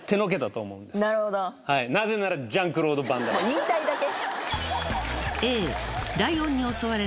言いたいだけ？